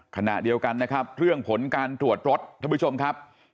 ขณะเดียวกันนะครับเรื่องผลการตรวจรถท่านผู้ชมครับ